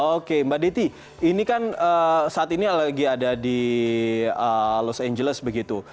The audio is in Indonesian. oke mbak dety ini kan saat ini lagi ada di los angeles begitu